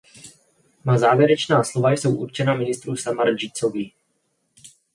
Má závěrečná slova jsou určena ministru Samardžićovi.